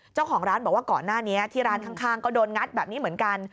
เจ้าของร้านบอกว่าก่อนหน้านี้ที่ร้านข้างก็โดนงัดแบบนี้เหมือนกัน